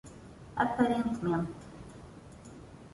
Aparentemente